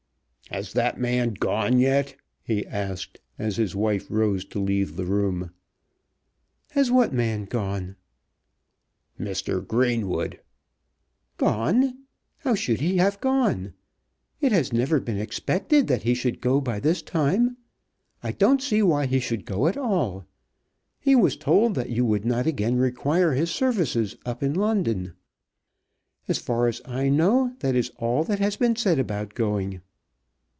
"Has that man gone yet?" he asked as his wife rose to leave the room. "Has what man gone?" "Mr. Greenwood." "Gone? How should he have gone? It has never been expected that he should go by this time. I don't see why he should go at all. He was told that you would not again require his services up in London. As far as I know, that is all that has been said about going."